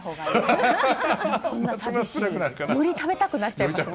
より食べたくなっちゃいますよ。